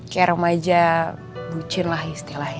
kerem aja bucin lah istilahnya